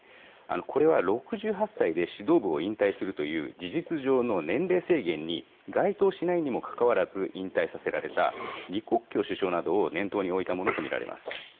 これは６８歳で指導部を引退するという事実上の年齢制限に該当しないにもかかわらず引退させられた李克強首相などを念頭に置いたものとみられます。